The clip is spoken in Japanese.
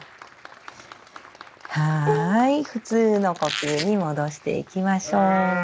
はい普通の呼吸に戻していきましょう。